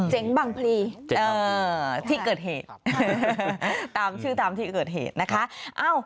เจ๋งบังพลีที่เกิดเหตุตามชื่อตามที่เกิดเหตุนะคะ